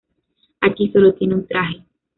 Aquí solo tiene un traje.